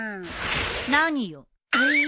何よ。